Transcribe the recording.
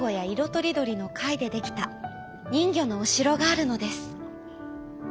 とりどりのかいでできたにんぎょのおしろがあるのです。